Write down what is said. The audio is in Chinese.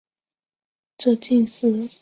这近似成立的条件是上述不等式。